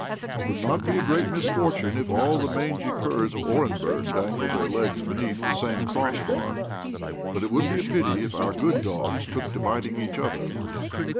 It would not be a great misfortune if all the mangy curs of Orenburg dangled their legs beneath the same cross bar, but it would be a pity if our good dogs took to biting each other."